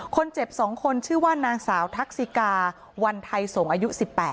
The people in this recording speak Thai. คนเจ็บ๒คนชื่อว่านางสาวทักษิกาวันไทยส่งอายุ๑๘